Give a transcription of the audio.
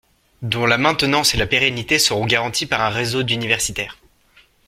dont la maintenance et la pérennité seront garanties par un réseau d'universitaires